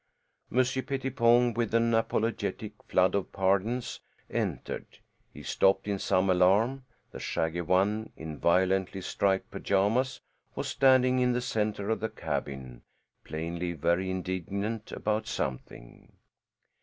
Monsieur Pettipon, with an apologetic flood of "pardons," entered. He stopped in some alarm. The shaggy one, in violently striped pajamas, was standing in the center of the cabin, plainly very indignant about something.